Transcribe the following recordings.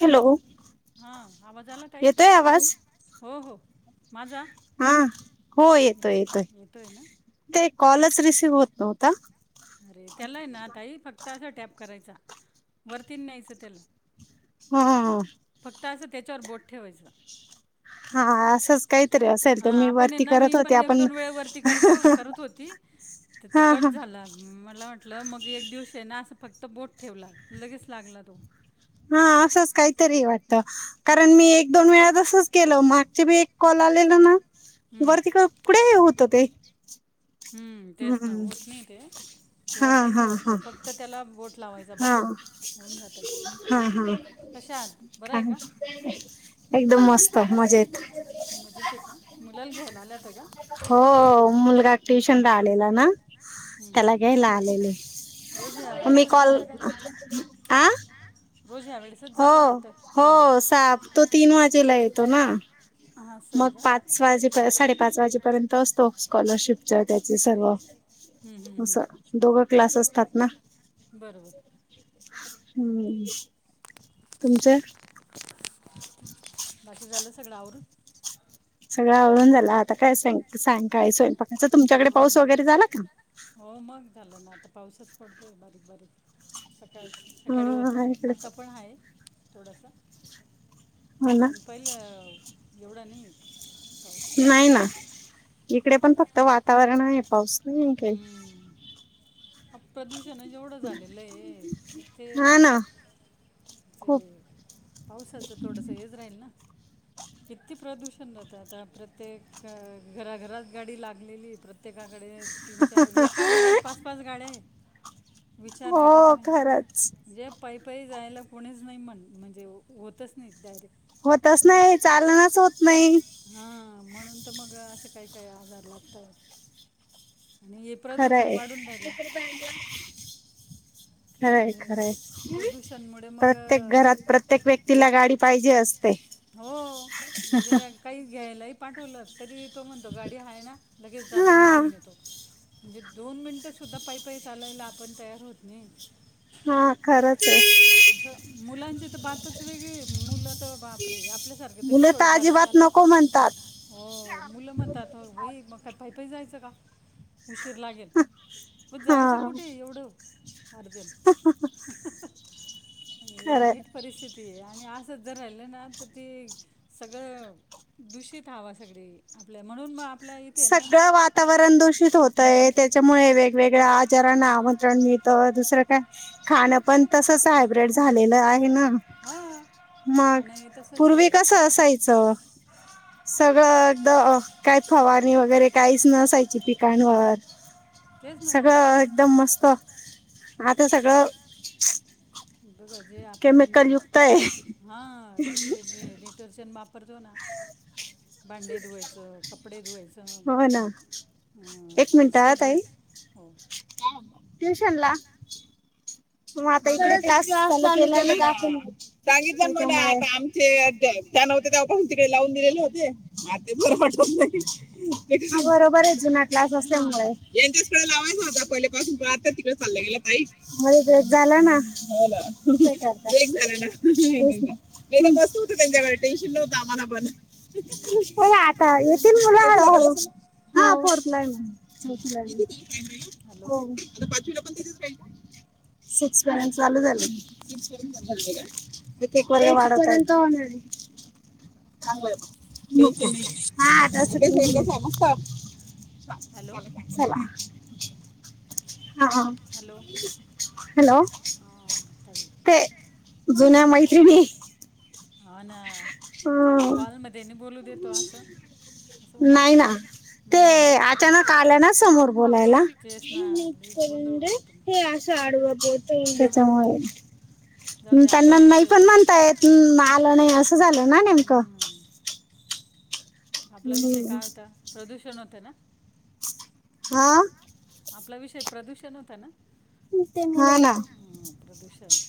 Hello. हा आवाज आला ताई, हो हो. हा हो येतोय येतोय. ते कॉलच रिसीव्ह होत नव्हता. त्यालाय ना ताई फक्त असा टॅप करायचा वरती नही न्यायचं त्याला. हो- हो-हो. फक्त अस त्याच्यावर बोट ठेवायचं. हा असच काहीतरी असेल त मी वरती करत होते आपण त ते कट झालं. मला वाटलं मग एक दिवसे ना असं फक्त बोट ठेवला लगेच लागला तो. हा असंच काहीतरीये वाटत. कारण मी एक दोन वेळा तस च केलं मागचे बी एक कॉल आलेला ना वरती तीकड कुडे हे होत ते. हम्म तेच ना होत नाही ते वरती नाही होत ते फक्त त्याला बोट हा हा हा काय एकदम मस्त मजेत. मजेते का मुलाला घ्यायला आल्या होत्या का? ट्युशनला आलेला ना त्याला घ्यायला आलेले. मी कॉल आ. हो हो साप तो तीन वाजेला येतो ना. मग पाच वाजे साडेपाच वाजेपर्यंत असतो. स्कॉलरशिपच्या त्याचे सर्व अस दोघं क्लास असतात ना. बरोबर. हम्म तुमचं. सगडावरर सगळं आवळून झाला आता काय स सायंकाळी स्वयंपाक असं तुमच्याकडे पाऊस वगैरे झाला का? आता पाऊसच पडतोय बारीक बारीक सकाळ सकाळी होता आता पण आहे. थोडासा पण पहिलं एवढा नाही. नाही ना इकडे पण फक्त वातावरण आहे पाऊस ह काय ह प्रदूषण जेवढं झालेलं आहे तर ते जे पावसाचं थोडस हेच राहील ना. किती प्रदूषण जात आता प्रत्येक घराघरात गाडी लागलेली प्रत्य प्रत्येकाकडे तीनच्याार एका घरात पाच पाच गाड्या आहेत. हो खरंच. पायपाय जायला कोणीच नाही म्हण म्हणजे होतच नाहीत डायरेक्ट होतच नाही चालनाच होत नाही. ह म्हणून तर मग असे काही काही आजार लागतात. खरं आहे. खरे खरं प्रत्येक घरात प्रत्येक व्यक्तीला गाडी पाहिजे असते. हो म्हणजे काही घ्यायलाही पाठवलं तरी तो म्हणतो गाडी हाय ना. लगेच जातो मी घेऊन येतो. म्हणजे दोन मिनिटं सुद्धा पायपाई चालायला आपण तयार होत नाही. हा खरंच आहे असं मुलांची तर बातच वेगळी मुलं बापरे आपल्यासारखं तरी थोडं फारच झालं हो मुलं म्हणतात भाई मग का पाैपाई जायचं का उशीर लागेल मग जायचं कुठे एवढं अर्जं ह वाईट परिस्थिती आहे आणि आजंच जर राहिलं ना तर ती सगळं दूषित हव सगळी आपल्या म्हणून मग सगळं वातावरण दूषित होतय त्या मुळे वेगगळ्या आजार आमंत्रण मिळ द का खण पण तसड झालेलं आहे ना मग पूर्वी कस असायचं सग सग एक काय फवानी वगैरे काहीच नसायची पिकांवर सगळं एकदम मस्त आता सगळं बघा जे आपण हा ते डिटर्जंटप वापरतो ना भांडे धुवायचं कपडे धुवायचं हो ना किती म्हणतातातई ट्यूशनला म आता इ सांगितलं आमचे अद्याप त्या नव्हते तेवपहून तिकडे लावून दिलेले होते म ते बरं वाटत नाही बरोबर आहेच क्स असल्यामुळेच्या लावा माझा पहि पाून पण आता तिकडे चाल गेला त झाला ना झाला ना बसत होत त्यांच्याक ेशन नव्हत आम्हाला पण आता येथ मु हा फोर् फोर् हो आता पाचवीला पण तिथेच राहि सिक्सपरयनस चालू झा एक एक वर् वाढत होणार [inaudible] हा आत्ता ल का चला ह हॅलो! ते जुन्या मै हीने हा ना ते कॉलमध्ये नाही बोलू देतो असं. नाही ना ते अचानक आल्या ना समोर बोलायला. करून दे हे असं आडवत. हो त्याच्यामुळे त्यांना नाही पण म्हणता येत आलं नाही अस. झालं ना नेमकं, आपला विषय काय होता प्रदूषण होतं ना? हा. आपला विषय प्रदूषण होता ना? हा ना, प्रदूषण.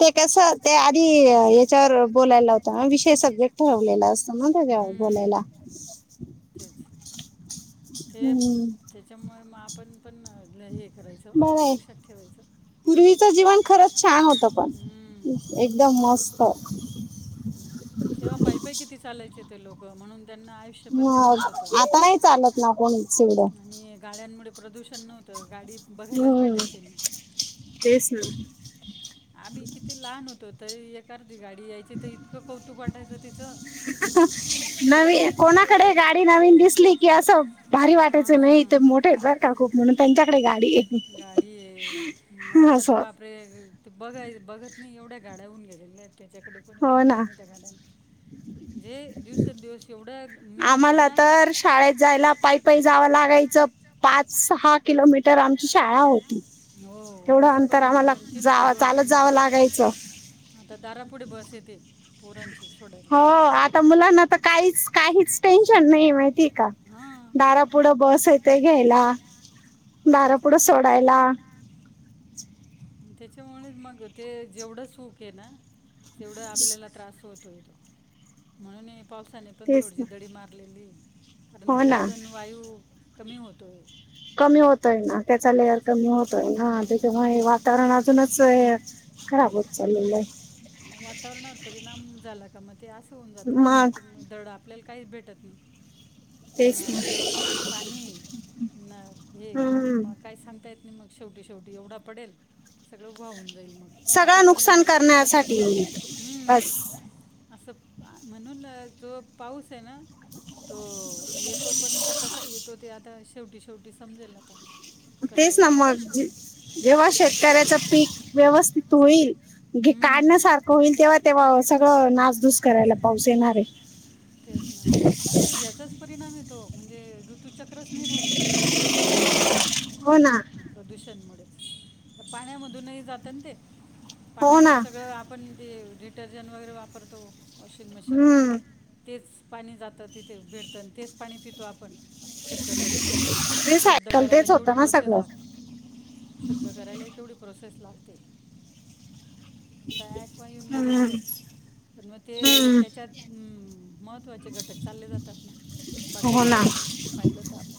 ते कस ते आधी याच्यावर बोलायला होतं विषय सब्जेक्ट ठरवलेला असतं म बोलायला. ते त्याच्यामुळे आपण पण ल लक्षात ठेवायचं. पूर्वीचं जीवन खरंच छान होत पण. एकदम मस्त. तेव्हा पायपाय किती चालायचे ते लोक म्हणून. त्यांना आयुष्य पण तेवढच होत या गाड्यांमुळे प्रदूषण नव्हतं. हमम तेच ना. तरी ए अर्धी गाडी यायची तर इतकं कौतुक वाटायचं तिचं, हा हा.. नवी कोणाकडे गाडी नवीन दिसली की असं भारी वाटायचं नाही ते मोठे बर का खूप म्हणून. त्यांच्याकडे गा गाडी आय आता तर बापरे! ते बघाय बघत नाही एवढ्या गाड्याहून गेलेल्या आहेत त्याच्याकडे कोणी बघत नाही त्या गाड्यात. हे दिवसेंदिवस एवढं मी म्हणते ना पाच सहा किलोमीटर आमची शाळा होती. तेवढं अंतर आम्हाला जाव चालत जावं लागायचं. आता दारापुढे बस येते पोरांची. हो आता मुलांना तर काहीच, काहीच टेन्शन नाही माहिती, का दारापुढ बस येते घ्यायला. दारापुढ सोडायला. त्याच्यामुळे मग ते जेवढं सुूख आहे ना तेवढं आपल्याला त्रास होतो. य तो म्हणून पावसाने पण थोडीशी दडी मारलेली ये. कारण की ओझोन वायू कमी होतो. कमी होतय ना त्याचा लेअर कमी होतय ना त्याच्यामुळे वात कारण अजूनच अ खराब होत चाललेल आहे. मग वातावरणावर परिणाम झाला का मग ते असं होऊन जात ना मग धड आपल्याला काही भेटत नाही. न पाणी न हे मग काय सांगता येत नाही मग. शेवटी शेवटी एवढा पडेल की सगळं उभा होऊन जाईल मग असं पण नसत. हमम. बस. असं म्हणून जो पाऊस आहे ना! तो येतो पण तो कसा येतो ते आता शेवटी शेवटी समजेल आता. तेच ना मग जेव्हा शेतकऱ्याच पीक व्यवस्थित होईल. काढण्या सारखं होईल तेव्हा तेव्हा सगळं नाचधूस करायला पाऊस येणार आहे. तेच ना मग ते याचाच परिणाम येतो म्हणजे, ऋतू चक्रच नाही राहिलेलं ए आता हो ना मुळेच... पाण्यामधूनही जातं ना ते, पाणी सगळं आपण ते डिटर्जंट वगैरे वापरतो... वॉशिंग मशीनला तेच पाणी जात तिथे [unintelligible] आणि तेच पाणी पितो आपण शुद्ध करून, शुद्ध करायला केवढी प्रोसेस लागते शुद्ध करायला केवढी प्रोसेस लागते. मगता ऐक म येऊन गेलेले आहेत पण मग ते त्याच्यात अम महत्त्वाचे घटक चालले जातात ना बाकीचं जर पाहिलं तर आपण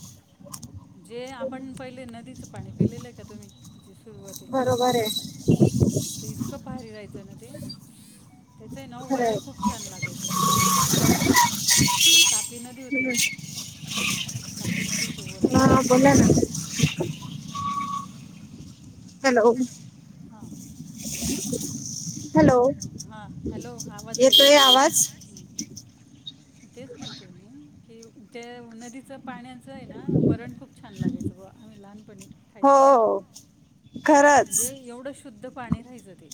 जे आपण पहिले नदीचं पाणी पिलेलं आहे का तुम्ही जे सुरुवातीला असं तर इतकं भारी राहायचं ना ते त्याचय नाव वरण खूप छान लागायचं आमची तापी नदी होती ना? तापी नदीचं वरण खूप हॅलो. हा हॅलो येतोय आवाज? [unintelligible] तेच म्हणते मी कि त्या नदीच पाण्याचं आहे ना वरण खूप छान लागायचं बघ. आम्ही लहानपणी हो. म्हणजे एवढं शुद्ध पाणी राहायचं ते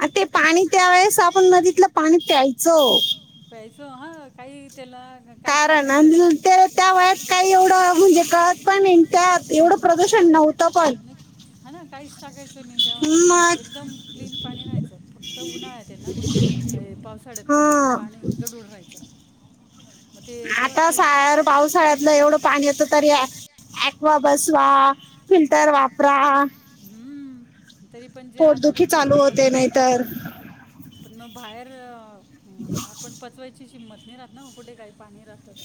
आ ते पाणी त्या वेळेस आपण नदीतलं पाणी प्यायचो प्यायच हा काही कारण त्या वयात काही एवढं म्हणजे कळत [unintelligible] एवढं प्रदूषण नव्हतं पण. हा ना काहीच टाकायचं नाही तेव्हा एकदम क्लीन पाणी राहायचं फक्त उन्हाळा ते ना अ पावसाळ्यात थोडस पाणी गडूळ होयचं आता स पावसाळ्यातलं एवढं पाणी येत तरी वा बसवा फिल्टर वापरा हम्म तरी पण जे आजार आहेत ते होतातच पण मग बाहेर आपण पचवायची किंमत नाही राहत ना कुठे काही पाणी राहतात.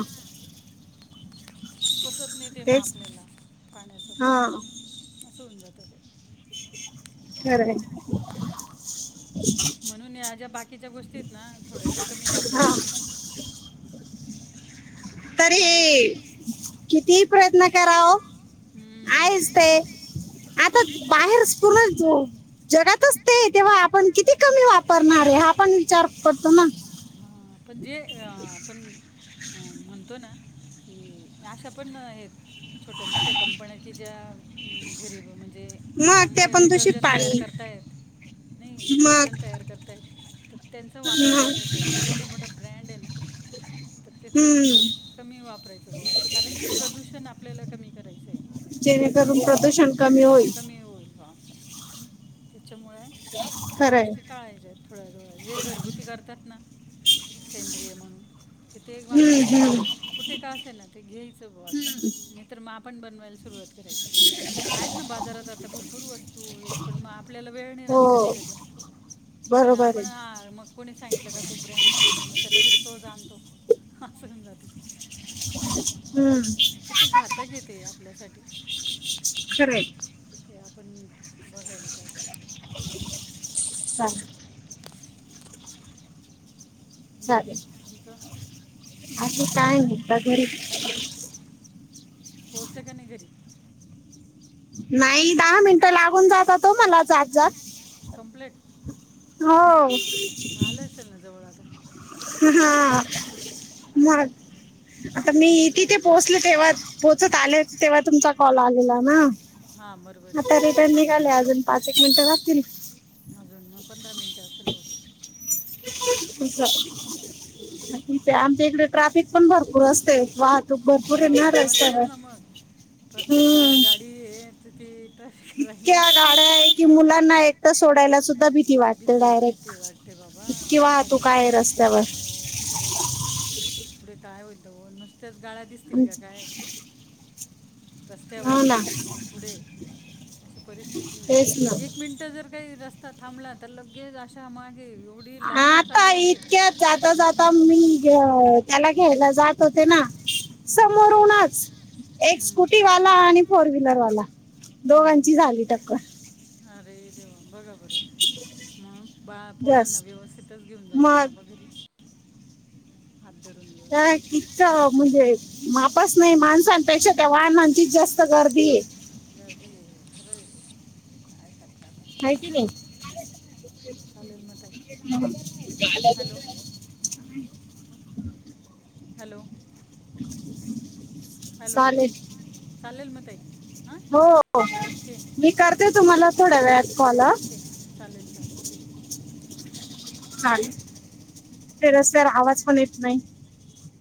असं. पचत नाही ते मग आपल्याला पाण्याच ह. सोन जातात ते खरं आहे. म्हणून या ज्या बाकीच्या गोष्टीत ना थोड्याश कमी वापरायच्या तरी किती प्रयत्न कराव आहेच ते आता बाहेर स्कूलच जाऊ जगातच ते तेव्हा आपण किती कमी वापरणार? हा आपण विचार करतो ना. ह पण जे अ आपण म्हणतो ना की अशा पण आहेत छोट्या मोठ्या कंपन्या कि ज्या गरीब म्हणजे जे चांगले डिटर्जंट तयार करतायेत, नाही डिटर्जंट तयार करतायेत. तर त्यांचा वापरून बघायचं जे मोठं मोठं ब्रँड आहे ना तर ते थोडस कमी वापरायचं भाऊ असं, कारण की प्रदूषण आपल्याला कमी करायचंय. जेणेकरून प्रदूषण कमी होईल. त्याच्यामुळे या गोष्टी टाळायच्या आहेत थोड्या थोड्या जे घरगुती करतात ना सेंद्रिय म्हणून. ते ते वापरायचय कुठे का असे ना ते घ्यायचं ब असं नाही तर म आप पण बनवायला सुरुवात करायची आहेत ना बाजारात आता भरपूर वस्तू हेत पण म आप पल्याला वेळ नाही राहात कधी कधी पण आपण आ मग कोणी सांगितलं का तो ब्रँच छान हे मग तर लगेच तो ज आणतो हासं हुन जातं म्हणून किती घातक हे ते आपल्यासाठी खरं हे पण बघयला पाहिजे हां [inaudible] बाकी तुमचं आम्ही कायनी त घरी पोहचले का नाही घरी नाही दहा मिनटं लागून जातात ओ मला जात जात कम्पलेट हो म आलं असेल ना जवळ आता ह ह हा मग आता मी तिथे पोहोचले तेव्हा च पोहोचत आले तेव्हा तुमचा कॉल आलेला ना आता रिटर्न निघाले अजून पाच एक मिनिटं लाागतील अजून मग पंधरा मिनिटं असेल बहुतेक तुमचं ते आमच्या इकडे ट्राफिक पण भरपूर असते वाहतुक भरपुर ए ना रस्त्यावर, हम्म. त ते इतक्या गाड्या आहे की मुलांना एकटं सोडायला सुद्धा भीती वाटते डायरेक. बाबा आता तर डेंजर, हो खरंय ते. [inaudible] पुढे काय होईल त वो, नुसत्याच गाड्या दिसतील का काय? हो ना. अशी परिस्थिती, एक मिनटं जर काही रस्ता थांबला तर लगेच अशा मागे ए आता इतक्यात जाता जाता मी अ त्याला घ्यायला जात होते ना, समोरूनच एक स्कुटीवाला आणि फोर व्हीलरवाला दोघांची झाली टक्कर. अरे देवा! बघा बरं, म्हणून बाळा पोरांना व्यवस्थितच घेऊन जायचं बाबा घरी. अ इचं म्हणजे [unintelligible] नाही माणसांपेक्षा त्या वाहनांचीच जास्त गर्दी. गर्दी हे खरंय ते काय करता हाय की नाही? चालेल म ताई [inaudible] हॅलो? चालेल. चालेल म ताई हो हो, मी करते तुम्हाला थोड्या वेळात कॉल हां. चालेल ठीक आहे. चालेल ते रस्त्यावर आवाज पण येत नाही.